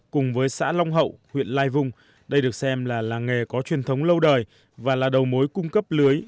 cùng với xã long hậu huyện lai vung đây được xem là làng nghề có truyền thống lâu đời và là đầu mối cung cấp lưới